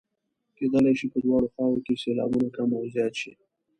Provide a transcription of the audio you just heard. کیدلای شي په دواړو خواوو کې سېلابونه کم او زیات شي.